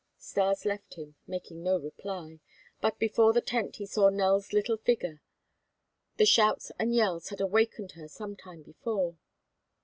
Stas left him, making no reply. But before the tent he saw Nell's little figure; the shouts and yells had awakened her some time before.